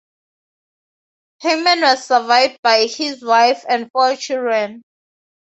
Hyman was survived by his wife and four children.